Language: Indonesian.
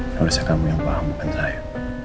tidak bisa kamu yang paham bukan saya